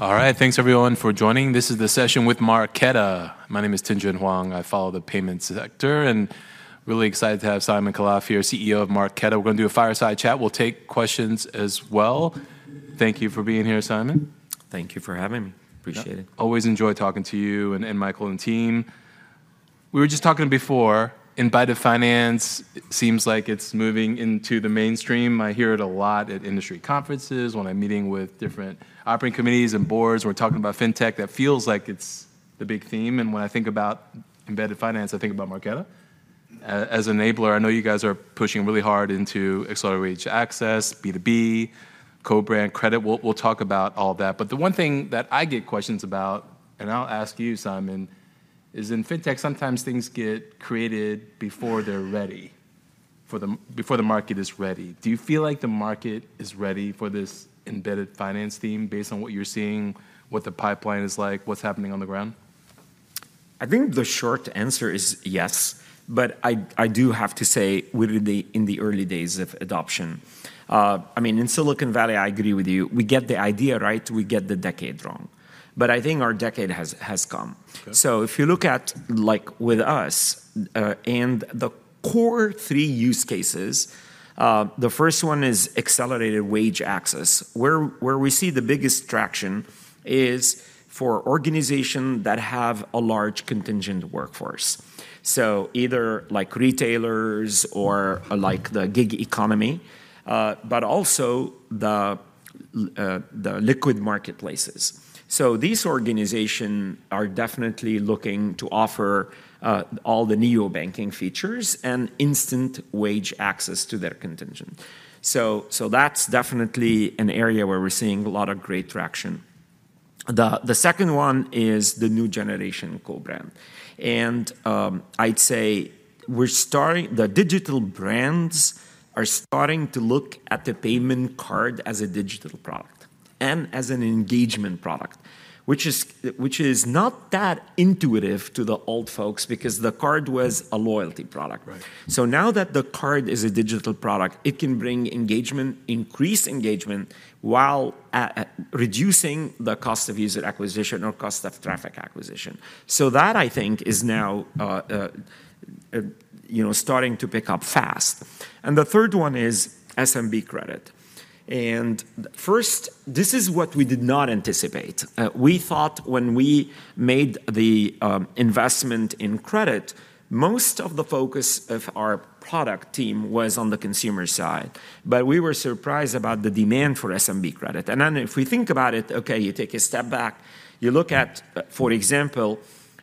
All right, thanks everyone for joining. This is the session with Marqeta. My name is Tien-tsin Huang. I follow the payments sector, and really excited to have Simon Khalaf here, CEO of Marqeta. We're gonna do a fireside chat. We'll take questions as well. Thank you for being here, Simon. Thank you for having me. Appreciate it. Always enjoy talking to you and Michael and team. We were just talking before. Embedded finance seems like it's moving into the mainstream. I hear it a lot at industry conferences. When I'm meeting with different operating committees and boards, we're talking about fintech. That feels like it's the big theme, and when I think about embedded finance, I think about Marqeta as an enabler. I know you guys are pushing really hard into accelerated wage access, B2B, co-brand credit. We'll talk about all that. But the one thing that I get questions about, and I'll ask you, Simon, is in fintech, sometimes things get created before they're ready, before the market is ready. Do you feel like the market is ready for this embedded finance theme, based on what you're seeing, what the pipeline is like, what's happening on the ground? I think the short answer is yes, but I do have to say we're in the early days of adoption. I mean, in Silicon Valley, I agree with you. We get the idea, right, we get the decade wrong, but I think our decade has come. Okay. So if you look at, like, with us, and the core three use cases, the first one is accelerated wage access. Where we see the biggest traction is for organization that have a large contingent workforce, so either, like, retailers or, like, the gig economy, but also the liquid marketplaces. So these organization are definitely looking to offer all the neobanking features and instant wage access to their contingent. So that's definitely an area where we're seeing a lot of great traction. The second one is the new generation co-brand, and I'd say we're starting. The digital brands are starting to look at the payment card as a digital product and as an engagement product, which is not that intuitive to the old folks because the card was a loyalty product. Right. So now that the card is a digital product, it can bring engagement, increased engagement, while reducing the cost of user acquisition or cost of traffic acquisition. So that, I think, is now, you know, starting to pick up fast. And the third one is SMB credit, and first, this is what we did not anticipate. We thought when we made the investment in credit, most of the focus of our product team was on the consumer side, but we were surprised about the demand for SMB credit. Then if we think about it, okay, you take a step back, you look at, for example,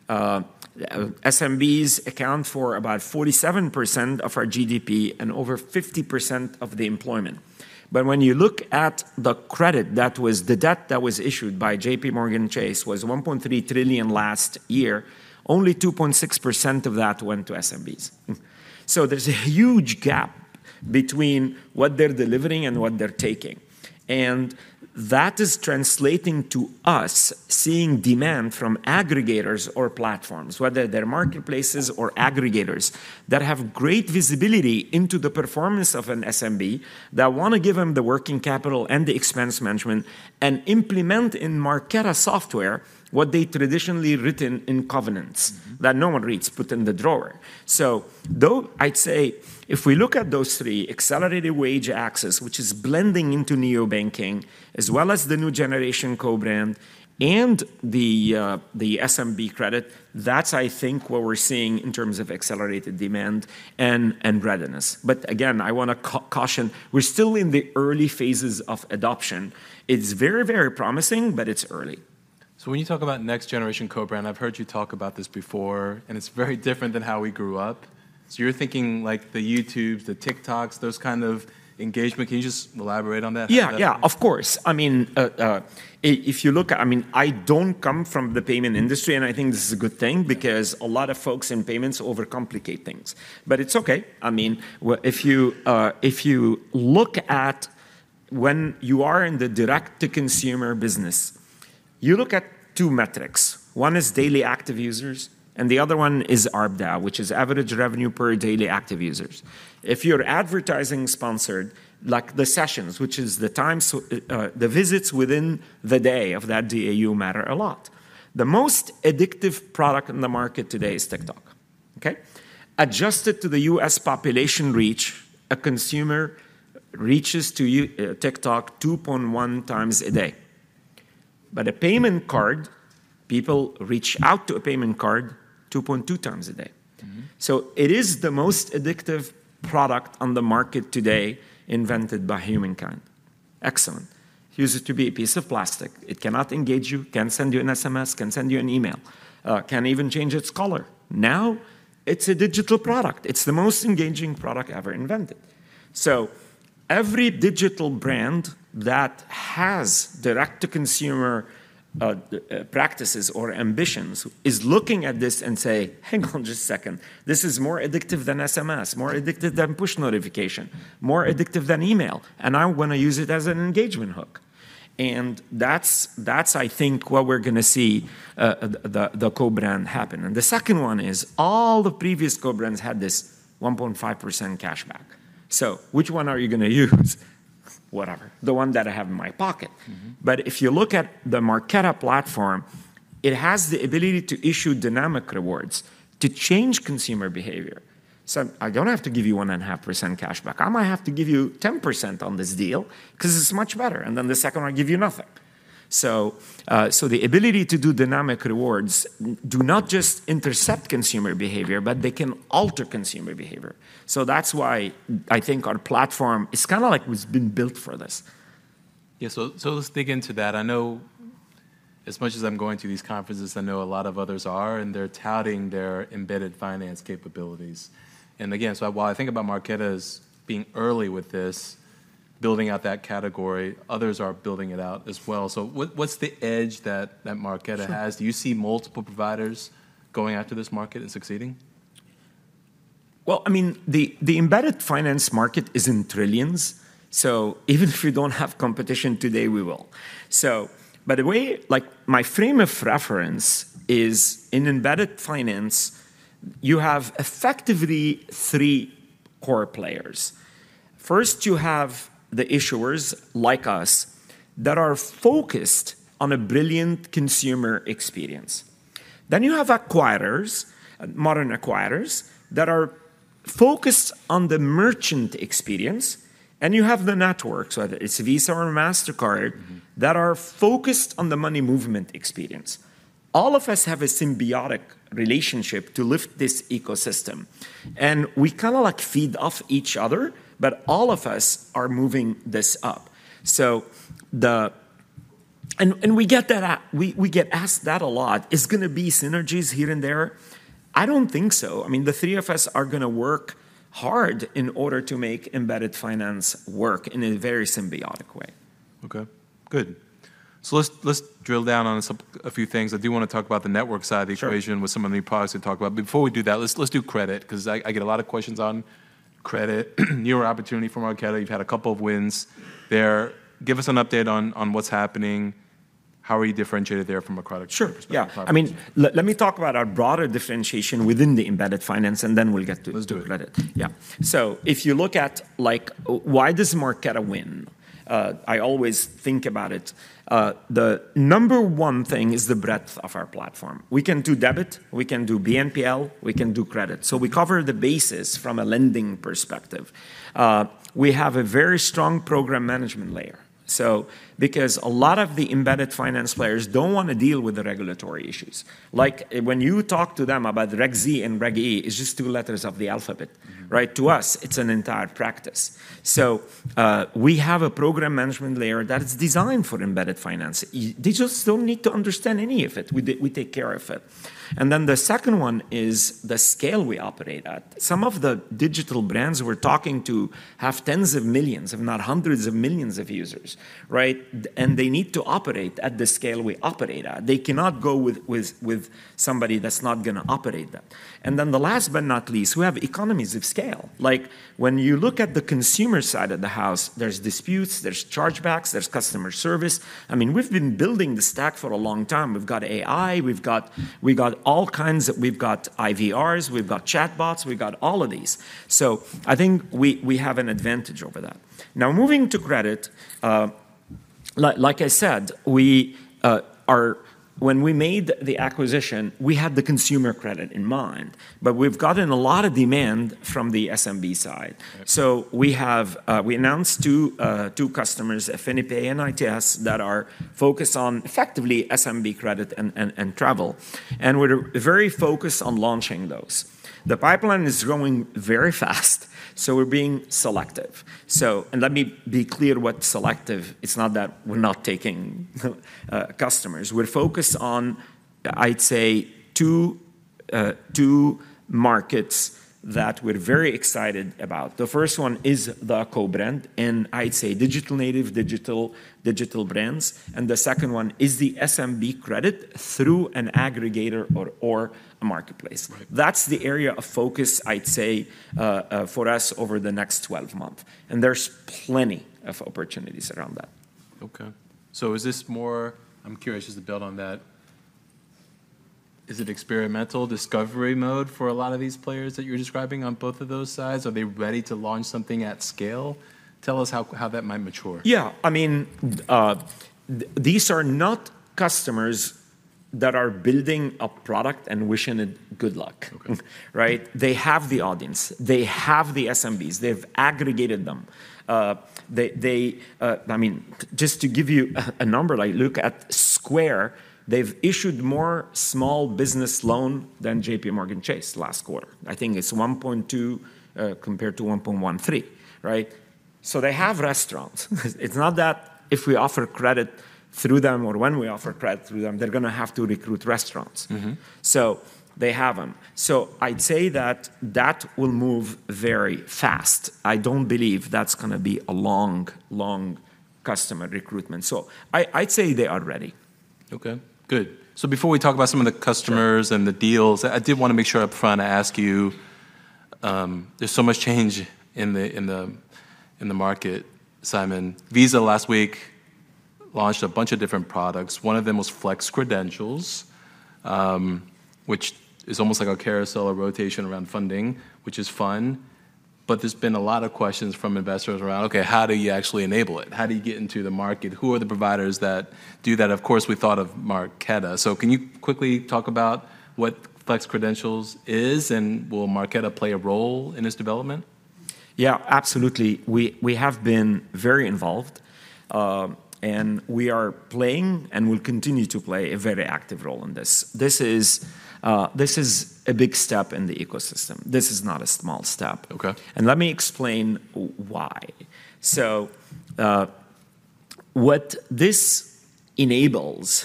SMBs account for about 47% of our GDP and over 50% of the employment, but when you look at the credit, that was the debt that was issued by JPMorgan Chase was $1.3 trillion last year. Only 2.6% of that went to SMBs. So there's a huge gap between what they're delivering and what they're taking, and that is translating to us seeing demand from aggregators or platforms, whether they're marketplaces or aggregators, that have great visibility into the performance of an SMB, that wanna give them the working capital and the expense management and implement in Marqeta software what they traditionally written in covenants that no one reads, put in the drawer. So though I'd say if we look at those three, accelerated wage access, which is blending into neo-banking, as well as the new generation co-brand and the SMB credit, that's, I think, what we're seeing in terms of accelerated demand and readiness. But again, I wanna caution, we're still in the early phases of adoption. It's very, very promising, but it's early. So when you talk about next generation co-brand, I've heard you talk about this before, and it's very different than how we grew up. So you're thinking like the YouTubes, the TikToks, those kind of engagement. Can you just elaborate on that? Yeah, yeah, of course. I mean, if you look at... I mean, I don't come from the payment industry-... and I think this is a good thing- Yeah - because a lot of folks in payments overcomplicate things, but it's okay. I mean, if you look at when you are in the direct-to-consumer business, you look at two metrics. One is daily active users, and the other one is ARPDAU, which is average revenue per daily active users. If you're advertising sponsored, like the sessions, which is the time the visits within the day of that DAU matter a lot. The most addictive product on the market today is TikTok, okay? Adjusted to the U.S. population reach, a consumer reaches to you TikTok 2.1 times a day. But a payment card, people reach out to a payment card 2.2 times a day. So it is the most addictive product on the market today invented by humankind. Excellent. Used to be a piece of plastic. It cannot engage you, can't send you an SMS, can't send you an email, can't even change its color. Now, it's a digital product. It's the most engaging product ever invented. So every digital brand that has direct-to-consumer practices or ambitions is looking at this and say, "Hang on just a second. This is more addictive than SMS, more addictive than push notification, more addictive than email, and I wanna use it as an engagement hook." And that's, that's, I think, what we're gonna see, the, the co-brand happen. And the second one is all the previous co-brands had this 1.5% cashback.... So which one are you gonna use? Whatever, the one that I have in my pocket. But if you look at the Marqeta platform, it has the ability to issue dynamic rewards to change consumer behavior. So I don't have to give you 1.5% cashback. I might have to give you 10% on this deal 'cause it's much better, and then the second one, I give you nothing. So, so the ability to do dynamic rewards do not just intercept consumer behavior, but they can alter consumer behavior. So that's why I think our platform is kinda like it's been built for this. Yeah, so let's dig into that. I know as much as I'm going to these conferences, I know a lot of others are, and they're touting their embedded finance capabilities. Again, while I think about Marqeta as being early with this, building out that category, others are building it out as well. So what's the edge that Marqeta has? Sure. Do you see multiple providers going after this market and succeeding? Well, I mean, the embedded finance market is in trillions, so even if we don't have competition today, we will. So by the way, like, my frame of reference is in embedded finance, you have effectively three core players. First, you have the issuers, like us, that are focused on a brilliant consumer experience. Then you have acquirers, modern acquirers, that are focused on the merchant experience, and you have the network, so whether it's Visa or Mastercard.... that are focused on the money movement experience. All of us have a symbiotic relationship to lift this ecosystem, and we kinda, like, feed off each other, but all of us are moving this up. And we get asked that a lot. Is gonna be synergies here and there? I don't think so. I mean, the three of us are gonna work hard in order to make embedded finance work in a very symbiotic way. Okay, good. So let's, let's drill down on some, a few things. I do wanna talk about the network side of the equation- Sure... with some of the new products we talked about. Before we do that, let's do credit, 'cause I get a lot of questions on credit. Newer opportunity from Marqeta. You've had a couple of wins there. Give us an update on what's happening. How are you differentiated there from a credit- Sure... perspective product? Yeah. I mean, let me talk about our broader differentiation within the embedded finance, and then we'll get to- Let's do it.... credit. Yeah. So if you look at, like, why does Marqeta win? I always think about it. The number one thing is the breadth of our platform. We can do debit, we can do BNPL, we can do credit. So we cover the bases from a lending perspective. We have a very strong program management layer. So because a lot of the embedded finance players don't wanna deal with the regulatory issues. Like, when you talk to them about Reg Z and Reg E, it's just two letters of the alphabet. Right? To us, it's an entire practice. So, we have a program management layer that is designed for embedded finance. They just don't need to understand any of it. We take care of it. And then the second one is the scale we operate at. Some of the digital brands we're talking to have tens of millions, if not hundreds of millions of users, right? They need to operate at the scale we operate at. They cannot go with, with somebody that's not gonna operate that. And then the last but not least, we have economies of scale. Like, when you look at the consumer side of the house, there's disputes, there's chargebacks, there's customer service. I mean, we've been building the stack for a long time. We've got AI, we've got, we've got all kinds of... We've got IVRs, we've got chatbots, we've got all of these. So I think we, we have an advantage over that. Now, moving to credit, like, like I said, we are... When we made the acquisition, we had the consumer credit in mind, but we've gotten a lot of demand from the SMB side. Yeah. So we have, we announced 2, 2 customers, AffiniPay and ITS, that are focused on effectively SMB credit and travel, and we're very focused on launching those. The pipeline is growing very fast, so we're being selective. So, and let me be clear what selective... It's not that we're not taking, customers. We're focused on, I'd say, 2, 2 markets that we're very excited about. The first one is the co-brand, and I'd say digital native, digital brands, and the second one is the SMB credit through an aggregator or a marketplace. Right. That's the area of focus, I'd say, for us over the next 12 month, and there's plenty of opportunities around that. Okay. So is this more... I'm curious, just to build on that, is it experimental discovery mode for a lot of these players that you're describing on both of those sides? Are they ready to launch something at scale? Tell us how, how that might mature. Yeah. I mean, these are not customers that are building a product and wishing it good luck. Okay. Right? They have the audience. They have the SMBs. They've aggregated them. I mean, just to give you a number, like, look at Square, they've issued more small business loan than JPMorgan Chase last quarter. I think it's $1.2, compared to $1.13, right? So they have restaurants. It's not that if we offer credit through them or when we offer credit through them, they're gonna have to recruit restaurants. So they have 'em. So I'd say that that will move very fast. I don't believe that's gonna be a long, long customer recruitment. So I, I'd say they are ready. Okay, good. So before we talk about some of the customers- Sure... and the deals, I did wanna make sure up front I ask you, there's so much change in the market, Simon. Visa last week launched a bunch of different products. One of them was Flex Credentials, which is almost like a carousel or rotation around funding, which is fun. But there's been a lot of questions from investors around, "Okay, how do you actually enable it? How do you get into the market? Who are the providers that do that?" Of course, we thought of Marqeta. So can you quickly talk about what Flex Credentials is, and will Marqeta play a role in its development? Yeah, absolutely. We have been very involved, and we are playing, and will continue to play a very active role in this. This is a big step in the ecosystem. This is not a small step. Okay. Let me explain why. What this enables,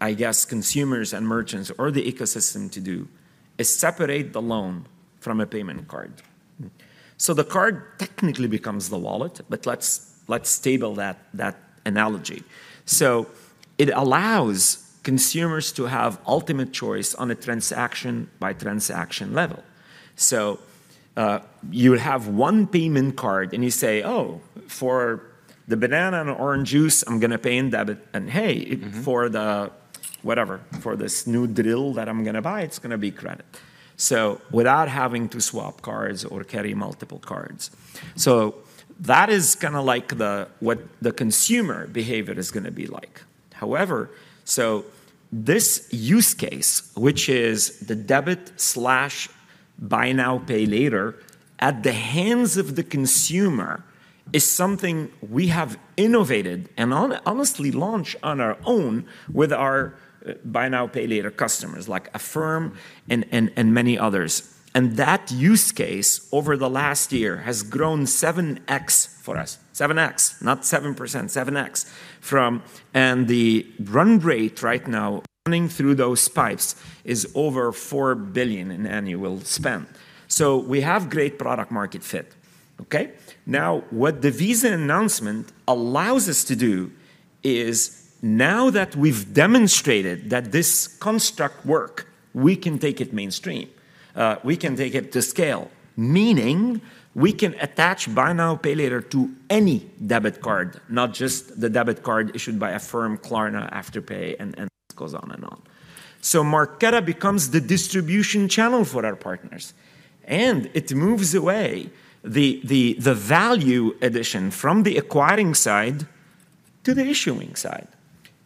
I guess, consumers and merchants or the ecosystem to do, is separate the loan from a payment card. So the card technically becomes the wallet, but let's table that analogy. So it allows consumers to have ultimate choice on a transaction-by-transaction level. So you have one payment card and you say, "Oh, for the banana and orange juice, I'm going to pay in debit. And hey-... for the whatever, for this new drill that I'm going to buy, it's going to be credit. So without having to swap cards or carry multiple cards. So that is kind of like the, what the consumer behavior is going to be like. However, so this use case, which is the debit/buy now, pay later at the hands of the consumer, is something we have innovated and honestly launched on our own with our buy now, pay later customers, like Affirm and many others. And that use case, over the last year, has grown 7x for us. 7x, not 7%, 7x from... And the run rate right now, running through those pipes, is over $4 billion in annual spend. So we have great product market fit. Okay? Now, what the Visa announcement allows us to do is, now that we've demonstrated that this construct work, we can take it mainstream. We can take it to scale, meaning we can attach buy now, pay later to any debit card, not just the debit card issued by Affirm, Klarna, Afterpay, and it goes on and on. So Marqeta becomes the distribution channel for our partners, and it moves away the value addition from the acquiring side to the issuing side.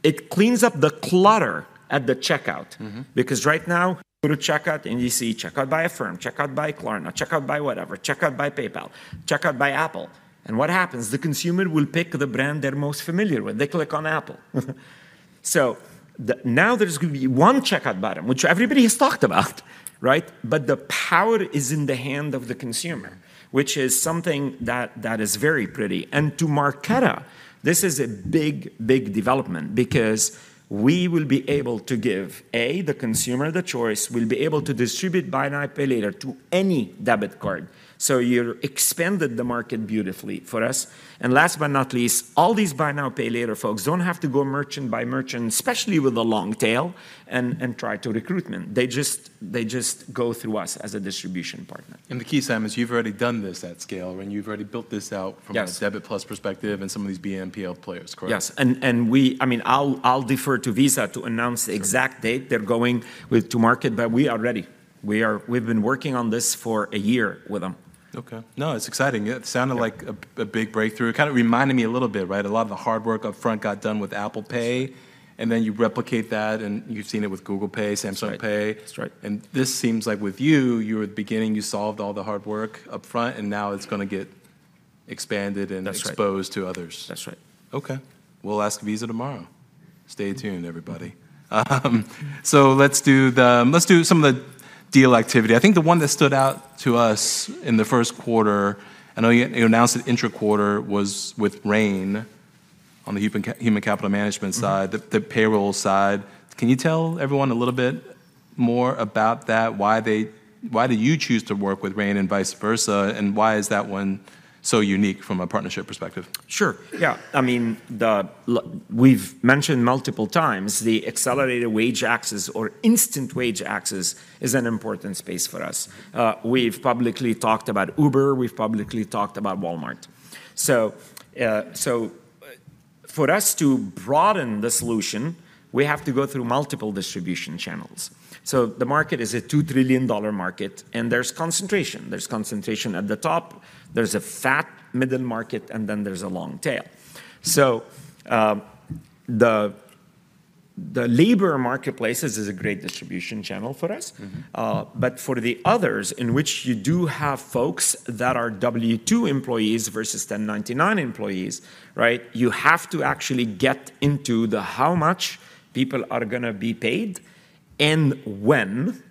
It cleans up the clutter at the checkout. Because right now, go to checkout and you see checkout by Affirm, checkout by Klarna, checkout by whatever, checkout by PayPal, checkout by Apple. And what happens? The consumer will pick the brand they're most familiar with. They click on Apple. So the, now there's going to be one checkout button, which everybody has talked about, right? But the power is in the hand of the consumer, which is something that, that is very pretty. And to Marqeta, this is a big, big development because we will be able to give, A, the consumer the choice, we'll be able to distribute buy now, pay later to any debit card. So you've expanded the market beautifully for us. And last but not least, all these buy now, pay later folks don't have to go merchant by merchant, especially with a long tail, and, and try to recruitment. They just, they just go through us as a distribution partner. The key, Simon, is you've already done this at scale, and you've already built this out- Yes... from a debit plus perspective and some of these BNPL players, correct? Yes, and I mean, I'll defer to Visa to announce the exact- Sure... date they're going with to market, but we are ready. We've been working on this for a year with them. Okay. No, it's exciting. It sounded like a- Yeah... a big breakthrough. It kind of reminded me a little bit, right? A lot of the hard work up front got done with Apple Pay, and then you replicate that, and you've seen it with Google Pay, Samsung Pay. That's right. That's right. This seems like with you, you're at the beginning, you solved all the hard work up front, and now it's going to get expanded and- That's right... exposed to others. That's right. Okay. We'll ask Visa tomorrow. Stay tuned, everybody. So let's do some of the deal activity. I think the one that stood out to us in the first quarter. I know you, you announced that intra-quarter was with Rain on the human capital management side-... the payroll side. Can you tell everyone a little bit more about that? Why did you choose to work with Rain and vice versa, and why is that one so unique from a partnership perspective? Sure, yeah. I mean, we've mentioned multiple times, the accelerated wage access or instant wage access is an important space for us. We've publicly talked about Uber, we've publicly talked about Walmart. So, so, for us to broaden the solution, we have to go through multiple distribution channels. So the market is a $2 trillion market, and there's concentration. There's concentration at the top, there's a fat middle market, and then there's a long tail. So, the labor marketplaces is a great distribution channel for us. But for the others, in which you do have folks that are W-2 employees versus 1099 employees, right? You have to actually get into the how much people are going to be paid and when,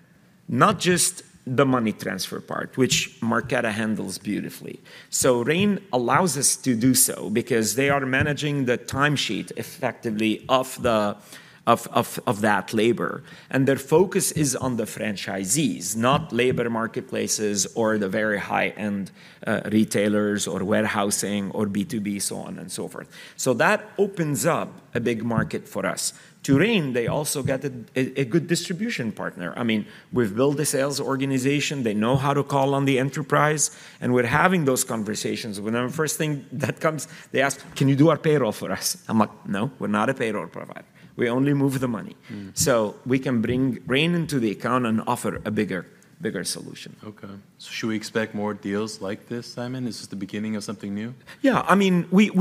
not just the money transfer part, which Marqeta handles beautifully. So Rain allows us to do so because they are managing the time sheet effectively of that labor. And their focus is on the franchisees, not labor marketplaces or the very high-end retailers, or warehousing, or B2B, so on and so forth. So that opens up a big market for us. To Rain, they also get a good distribution partner. I mean, we've built a sales organization, they know how to call on the enterprise, and we're having those conversations. When the first thing that comes, they ask, "Can you do our payroll for us?" I'm like: No, we're not a payroll provider. We only move the money. So we can bring Rain into the account and offer a bigger, bigger solution. Okay. So should we expect more deals like this, Simon? Is this the beginning of something new? Yeah. I mean, we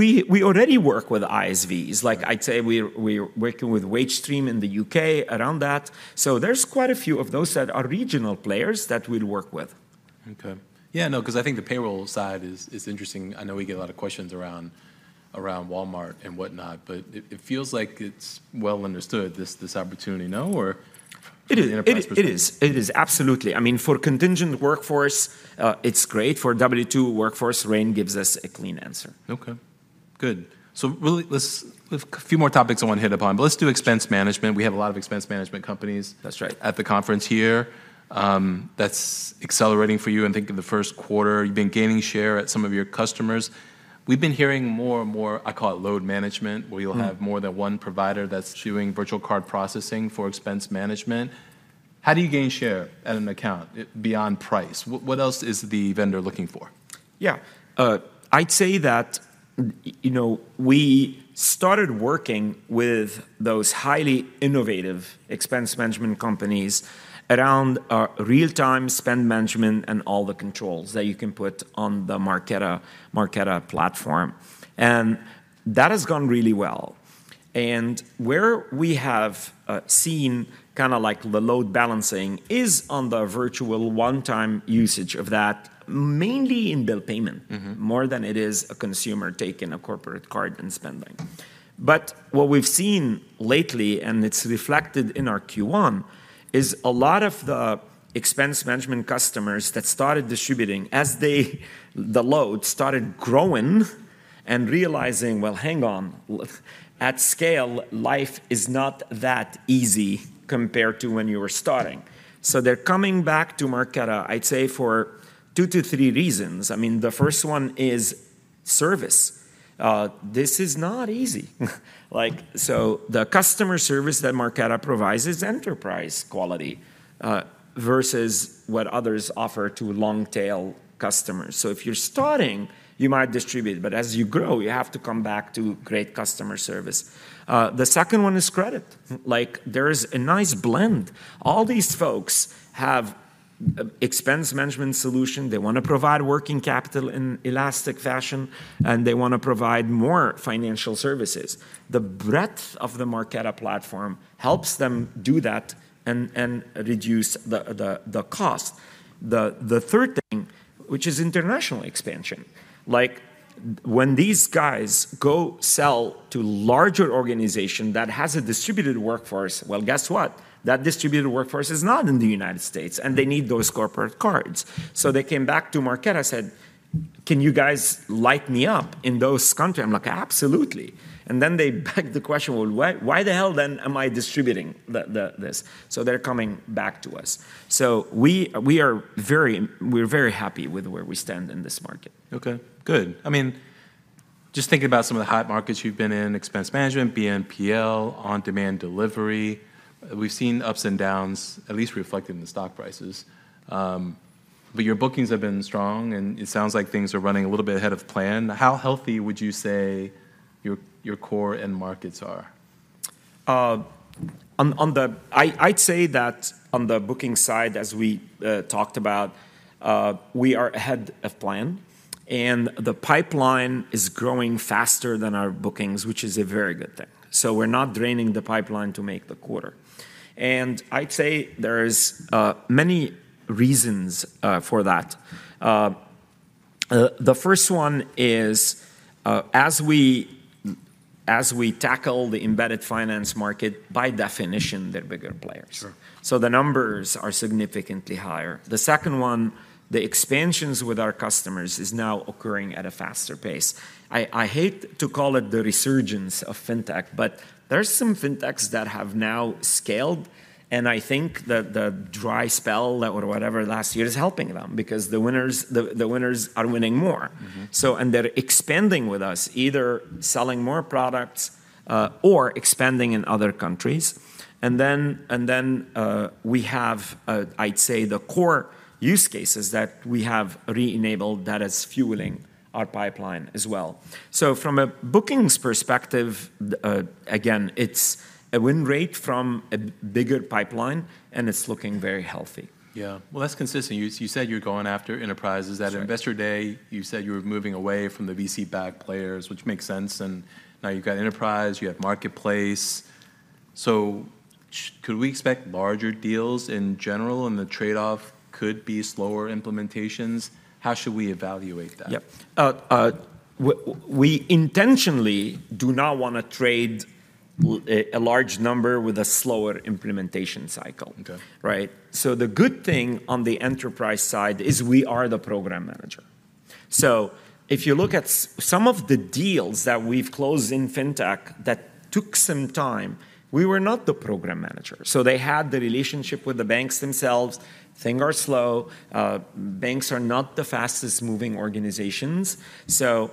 already work with ISVs. Yeah. Like I'd say, we're working with Wagestream in the U.K. around that. So there's quite a few of those that are regional players that we'll work with.... Okay. Yeah, no, 'cause I think the payroll side is interesting. I know we get a lot of questions around Walmart and whatnot, but it feels like it's well understood, this opportunity, no? Or- It is, it is, it is. It is, absolutely. I mean, for contingent workforce, it's great. For W-2 workforce, Rain gives us a clean answer. Okay, good. So really, let's, we've a few more topics I wanna hit upon, but let's do expense management. We have a lot of expense management companies- That's right... at the conference here. That's accelerating for you, and I think in the first quarter, you've been gaining share at some of your customers. We've been hearing more and more, I call it load management-... where you'll have more than one provider that's doing virtual card processing for expense management. How do you gain share at an account beyond price? What else is the vendor looking for? Yeah. I'd say that, you know, we started working with those highly innovative expense management companies around real-time spend management and all the controls that you can put on the Marqeta, Marqeta platform, and that has gone really well. And where we have seen kinda like the load balancing is on the virtual one-time usage of that, mainly in bill payment-... more than it is a consumer taking a corporate card and spending. But what we've seen lately, and it's reflected in our Q1, is a lot of the expense management customers that started distributing, as they, the load started growing and realizing, well, hang on, at scale, life is not that easy compared to when you were starting. So they're coming back to Marqeta, I'd say, for 2-3 reasons. I mean, the first one is service. This is not easy. Like, so the customer service that Marqeta provides is enterprise quality, versus what others offer to long-tail customers. So if you're starting, you might distribute, but as you grow, you have to come back to great customer service. The second one is credit. Like, there is a nice blend. All these folks have an expense management solution. They wanna provide working capital in elastic fashion, and they wanna provide more financial services. The breadth of the Marqeta platform helps them do that and reduce the cost. The third thing, which is international expansion, like when these guys go sell to larger organization that has a distributed workforce, well, guess what? That distributed workforce is not in the United States, and they need those corporate cards. So they came back to Marqeta and said, "Can you guys light me up in those country?" I'm like, "Absolutely!" And then they begged the question: "Well, why the hell then am I distributing this?" So they're coming back to us. So we are very happy with where we stand in this market. Okay, good. I mean, just thinking about some of the hot markets you've been in, expense management, BNPL, on-demand delivery, we've seen ups and downs, at least reflected in the stock prices. But your bookings have been strong, and it sounds like things are running a little bit ahead of plan. How healthy would you say your core end markets are? On the booking side, as we talked about, we are ahead of plan, and the pipeline is growing faster than our bookings, which is a very good thing. So we're not draining the pipeline to make the quarter. And I'd say there's many reasons for that. The first one is, as we tackle the embedded finance market, by definition, they're bigger players. Sure. So the numbers are significantly higher. The second one, the expansions with our customers is now occurring at a faster pace. I, I hate to call it the resurgence of fintech, but there are some fintechs that have now scaled, and I think that the dry spell or whatever last year is helping them because the winners, the winners are winning more. So, and they're expanding with us, either selling more products, or expanding in other countries. And then, we have, I'd say, the core use cases that we have re-enabled that is fueling our pipeline as well. So from a bookings perspective, again, it's a win rate from a bigger pipeline, and it's looking very healthy. Yeah. Well, that's consistent. You, you said you're going after enterprises. Sure. At Investor Day, you said you were moving away from the VC-backed players, which makes sense, and now you've got enterprise, you have marketplace. So could we expect larger deals in general, and the trade-off could be slower implementations? How should we evaluate that? Yeah. We intentionally do not wanna trade a large number with a slower implementation cycle. Okay. Right? So the good thing on the enterprise side is we are the program manager. So if you look at some of the deals that we've closed in fintech, that took some time, we were not the program manager. So they had the relationship with the banks themselves. Things are slow. Banks are not the fastest-moving organizations. So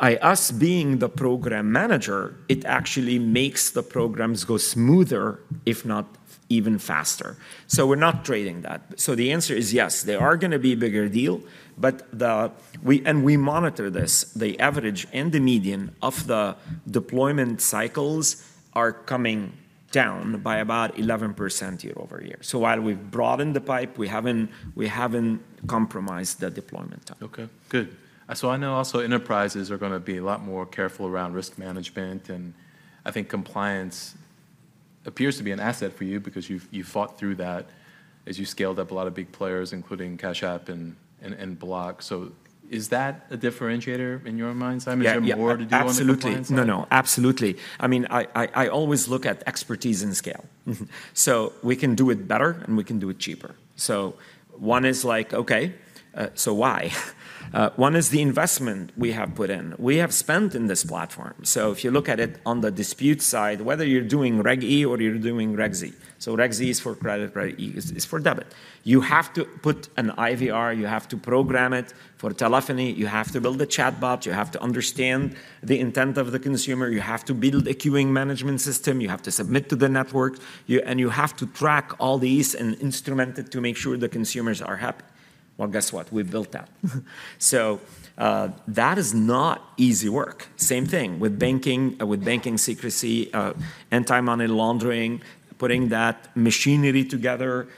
by us being the program manager, it actually makes the programs go smoother, if not even faster. So we're not trading that. So the answer is, yes, they are gonna be a bigger deal, but the... We, and we monitor this. The average and the median of the deployment cycles are coming down by about 11% year-over-year. So while we've broadened the pipe, we haven't, we haven't compromised the deployment time. Okay, good. So I know also enterprises are gonna be a lot more careful around risk management, and I think compliance appears to be an asset for you because you've fought through that as you scaled up a lot of big players, including Cash App and Block. So is that a differentiator in your mind, Simon? Yeah, yeah. Is there more to do on the compliance side? Absolutely. No, no, absolutely. I mean, I always look at expertise and scale. Mm-hmm. So we can do it better, and we can do it cheaper. So one is like, okay, so why? One is the investment we have put in. We have spent in this platform. So if you look at it on the dispute side, whether you're doing Reg E or you're doing Reg Z. So Reg Z is for credit, Reg E is for debit. You have to put an IVR, you have to program it for telephony, you have to build a chatbot, you have to understand the intent of the consumer, you have to build a queuing management system, you have to submit to the network, you... And you have to track all these and instrument it to make sure the consumers are happy. Well, guess what? We've built that. So, that is not easy work. Same thing with banking, with banking secrecy, anti-money laundering, putting that machinery together,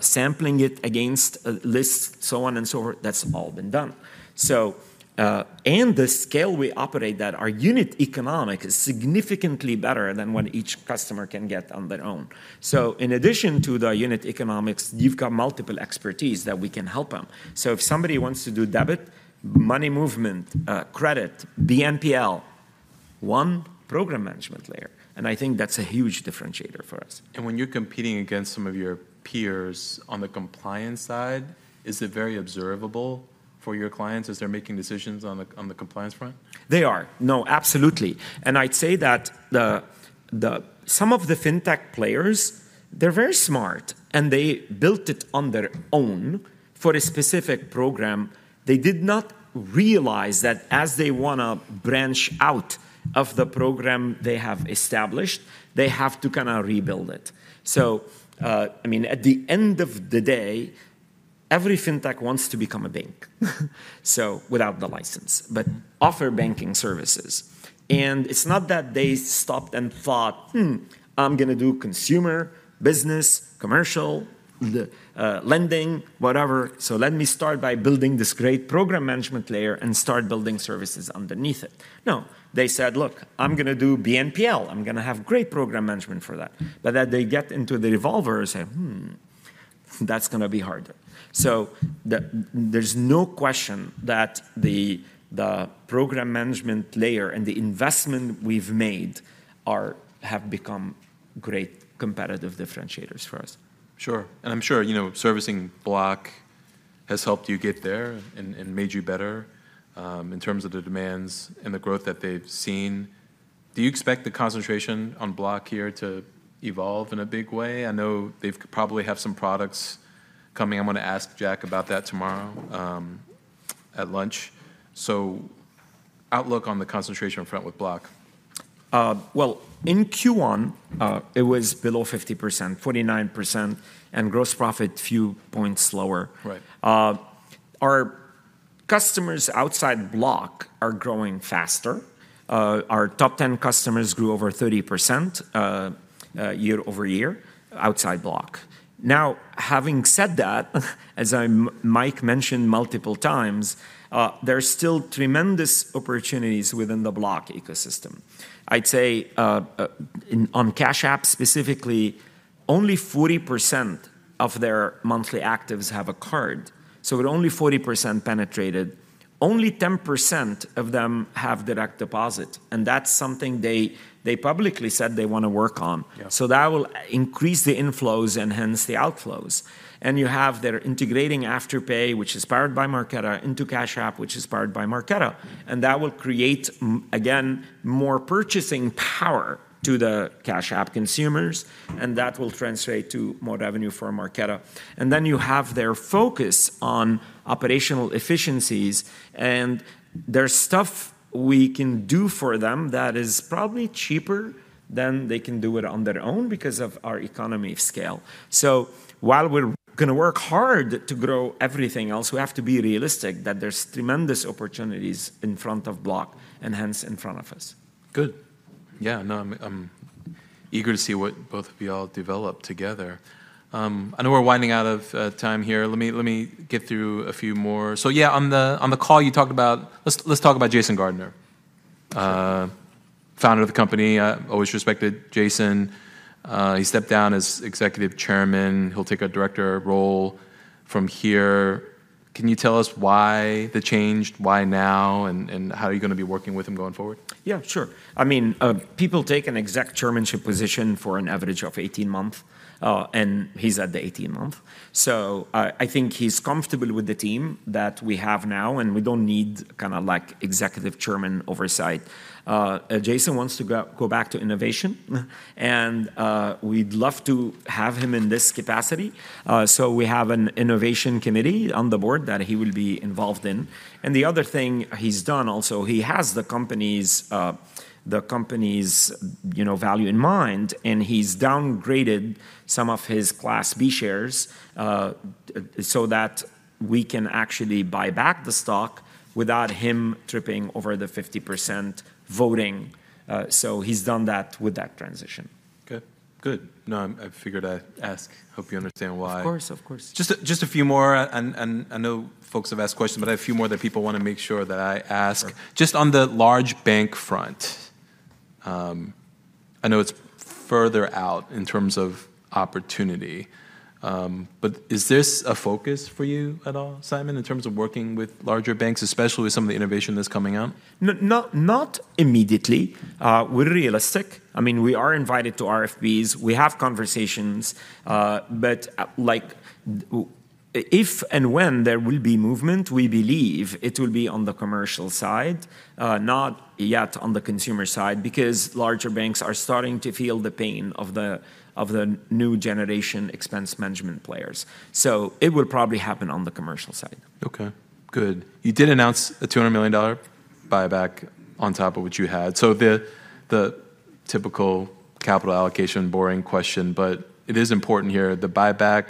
sampling it against, lists, so on and so forth, that's all been done. So, and the scale we operate at, our unit economic is significantly better than what each customer can get on their own. So in addition to the unit economics, you've got multiple expertise that we can help them. So if somebody wants to do debit, money movement, credit, BNPL, one program management layer, and I think that's a huge differentiator for us. When you're competing against some of your peers on the compliance side, is it very observable for your clients as they're making decisions on the, on the compliance front? They are. No, absolutely. And I'd say that some of the fintech players, they're very smart, and they built it on their own for a specific program. They did not realize that as they wanna branch out of the program they have established, they have to kind of rebuild it. So, I mean, at the end of the day, every fintech wants to become a bank, so without the license, but offer banking services. And it's not that they stopped and thought, "Hmm, I'm gonna do consumer, business, commercial, the lending, whatever, so let me start by building this great program management layer and start building services underneath it." No, they said, "Look, I'm gonna do BNPL. I'm gonna have great program management for that." But then they get into the revolver and say, "Hmm, that's gonna be harder." So there's no question that the program management layer and the investment we've made have become great competitive differentiators for us. Sure. And I'm sure, you know, servicing Block has helped you get there and, and made you better, in terms of the demands and the growth that they've seen. Do you expect the concentration on Block here to evolve in a big way? I know they've probably have some products coming. I'm gonna ask Jack about that tomorrow, at lunch. So outlook on the concentration front with Block. Well, in Q1-... it was below 50%, 49%, and gross profit, few points lower. Right. Our customers outside Block are growing faster. Our top 10 customers grew over 30%, year-over-year, outside Block. Now, having said that, as Mike mentioned multiple times, there are still tremendous opportunities within the Block ecosystem. I'd say, on Cash App specifically, only 40% of their monthly actives have a card, so with only 40% penetrated, only 10% of them have direct deposit, and that's something they publicly said they wanna work on. Yeah. So that will increase the inflows and hence the outflows. And you have they're integrating Afterpay, which is powered by Marqeta, into Cash App, which is powered by Marqeta, and that will create again, more purchasing power to the Cash App consumers, and that will translate to more revenue for Marqeta. And then you have their focus on operational efficiencies, and there's stuff we can do for them that is probably cheaper than they can do it on their own because of our economy of scale. So while we're gonna work hard to grow everything else, we have to be realistic that there's tremendous opportunities in front of Block and hence in front of us. Good. Yeah, no, I'm eager to see what both of y'all develop together. I know we're winding out of time here. Let me get through a few more. So yeah, on the call you talked about... Let's talk about Jason Gardner. Sure. Founder of the company. I always respected Jason. He stepped down as Executive Chairman. He'll take a Director role from here. Can you tell us why the change, why now, and, and how are you gonna be working with him going forward? Yeah, sure. I mean, people take an exec chairmanship position for an average of 18 months, and he's at the 18-month. So I think he's comfortable with the team that we have now, and we don't need kind of like executive chairman oversight. Jason wants to go back to innovation, and we'd love to have him in this capacity. So we have an innovation committee on the board that he will be involved in. And the other thing he's done also, he has the company's, the company's, you know, value in mind, and he's downgraded some of his Class B shares, so that we can actually buy back the stock without him tripping over the 50% voting. So he's done that with that transition. Okay, good. No, I, I figured I'd ask. Hope you understand why. Of course, of course. Just a few more, and I know folks have asked questions, but I have a few more that people wanna make sure that I ask. Sure. Just on the large bank front. I know it's further out in terms of opportunity, but is this a focus for you at all, Simon, in terms of working with larger banks, especially with some of the innovation that's coming out? Not, not immediately. We're realistic. I mean, we are invited to RFPs, we have conversations. But, like, if and when there will be movement, we believe it will be on the commercial side, not yet on the consumer side, because larger banks are starting to feel the pain of the new generation expense management players. So it would probably happen on the commercial side. Okay, good. You did announce a $200 million buyback on top of what you had. So the, the typical capital allocation, boring question, but it is important here, the buyback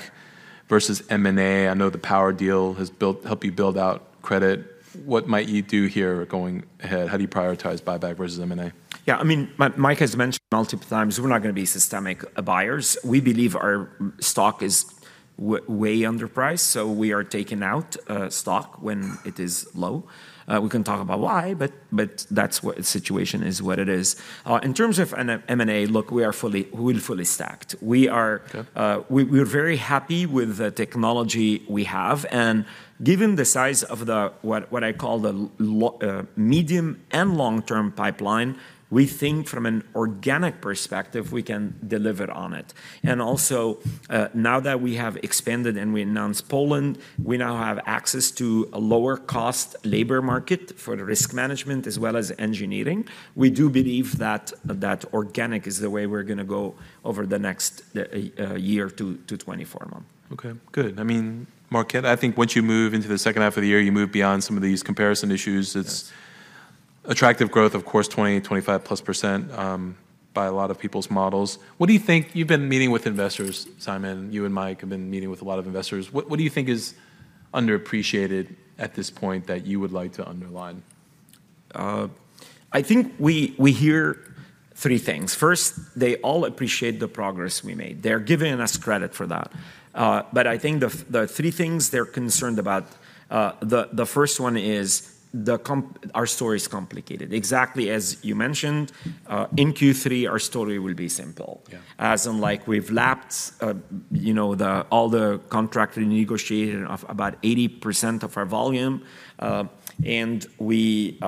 versus M&A. I know the power deal has built... helped you build out credit. What might you do here going ahead? How do you prioritize buyback versus M&A? Yeah, I mean, Mike has mentioned multiple times, we're not gonna be systematic buyers. We believe our stock is way underpriced, so we are taking out stock when it is low. We can talk about why, but that's what the situation is, what it is. In terms of an M&A, look, we're fully stacked. We are- Yeah... We’re very happy with the technology we have, and given the size of what I call the medium and long-term pipeline, we think from an organic perspective, we can deliver on it. And also, now that we have expanded and we announced Poland, we now have access to a lower-cost labor market for the risk management as well as engineering. We do believe that organic is the way we’re gonna go over the next year or two to 24 months. Okay, good. I mean, market, I think once you move into the second half of the year, you move beyond some of these comparison issues. Yeah. It's attractive growth, of course, 20-25%+, by a lot of people's models. What do you think... You've been meeting with investors, Simon, you and Mike have been meeting with a lot of investors. What do you think is underappreciated at this point that you would like to underline? I think we hear three things. First, they all appreciate the progress we made. They're giving us credit for that. But I think the three things they're concerned about, the first one is the comp- our story is complicated. Exactly as you mentioned, in Q3, our story will be simple. Yeah. As in like we've lapped, you know, the, all the contract renegotiating of about 80% of our volume. And we,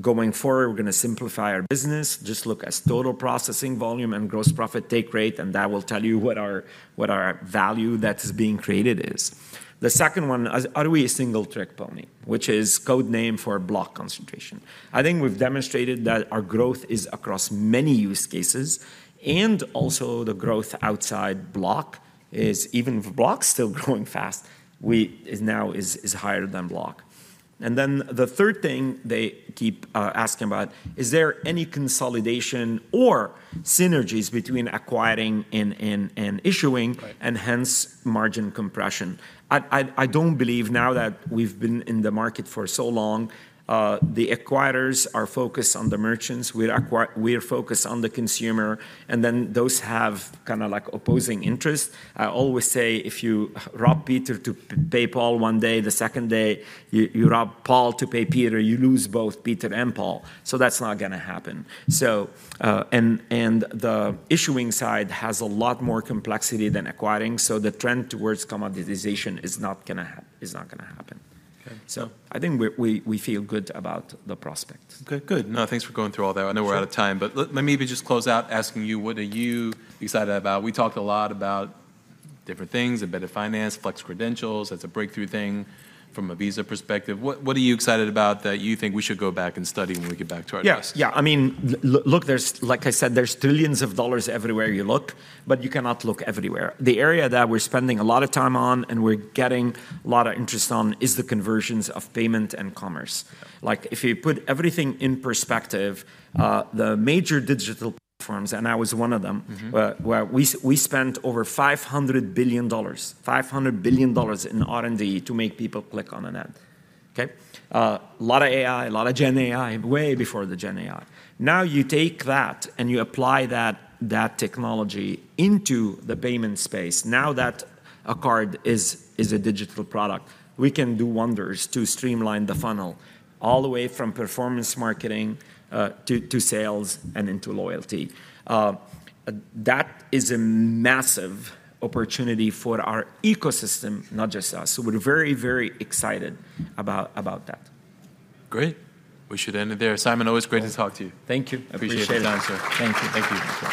going forward, we're gonna simplify our business, just look as total processing volume and gross profit take rate, and that will tell you what our, what our value that is being created is. The second one, are, are we a single trick pony? Which is code name for Block concentration. I think we've demonstrated that our growth is across many use cases, and also the growth outside Block is, even if Block's still growing fast, we, is now is, is higher than Block. And then the third thing they keep, asking about, is there any consolidation or synergies between acquiring and, and, and issuing- Right... and hence, margin compression? I don't believe now that we've been in the market for so long, the acquirers are focused on the merchants. We're focused on the consumer, and then those have kinda like opposing interests. I always say, "If you rob Peter to pay Paul one day, the second day, you rob Paul to pay Peter, you lose both Peter and Paul." So that's not gonna happen. So, and, and the issuing side has a lot more complexity than acquiring, so the trend towards commoditization is not gonna happen. Okay. So I think we feel good about the prospects. Okay, good. No, thanks for going through all that. Sure. I know we're out of time, but let me maybe just close out asking you, what are you excited about? We talked a lot about different things, embedded finance, flex credentials, that's a breakthrough thing from a Visa perspective. What, what are you excited about that you think we should go back and study when we get back to our desk? Yeah, yeah. I mean, look, there's, like I said, there's trillions of dollars everywhere you look, but you cannot look everywhere. The area that we're spending a lot of time on, and we're getting a lot of interest on, is the conversions of payment and commerce. Yeah. Like, if you put everything in perspective, the major digital platforms, and I was one of them-... well, we, we spent over $500 billion, $500 billion in R&D to make people click on an ad. Okay? A lot of AI, a lot of GenAI, way before the GenAI. Now, you take that and you apply that, that technology into the payment space. Now that a card is, is a digital product, we can do wonders to streamline the funnel, all the way from performance marketing, to, to sales, and into loyalty. That is a massive opportunity for our ecosystem, not just us. So we're very, very excited about, about that. Great. We should end it there. Simon, always great to talk to you. Thank you. Appreciate it. Appreciate the time, sir. Thank you. Thank you.